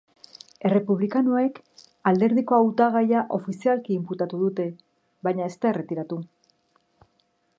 Errepublikanoak alderdiko hautagaia ofizialki inputatu dute, baina ez da erretiratu.